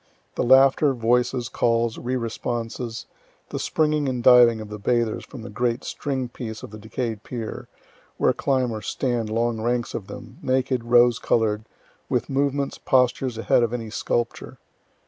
The laughter, voices, calls, re responses the springing and diving of the bathers from the great string piece of the decay'd pier, where climb or stand long ranks of them, naked, rose color'd, with movements, postures ahead of any sculpture.